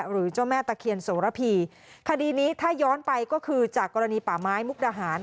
หรือเจ้าแม่ตะเคียนโสระพีคดีนี้ถ้าย้อนไปก็คือจากกรณีป่าไม้มุกดาหาร